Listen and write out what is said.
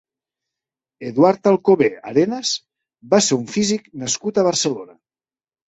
Eduard Alcobé Arenas va ser un físic nascut a Barcelona.